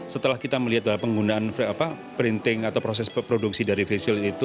setelah kita melihat penggunaan printing atau proses produksi dari face shield itu